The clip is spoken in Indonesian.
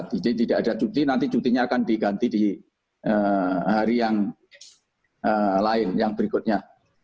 jadi tidak ada cuti nanti cutinya akan diganti di hari yang lain yang berikutnya